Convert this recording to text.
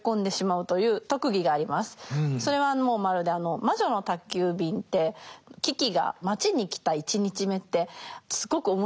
それはもうまるで「魔女の宅急便」ってキキが街に来た１日目ってすごく面白いじゃないですか。